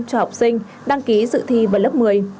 cho học sinh đăng ký dự thi vào lớp một mươi